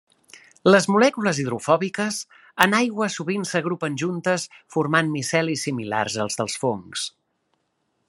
Les molècules hidrofòbiques en aigua sovint s'agrupen juntes formant micelis similars als dels fongs.